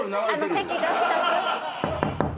席が二つ。